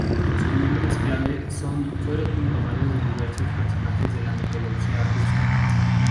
Sus nombres clave son fueron tomados de diversos personajes de la mitología rusa.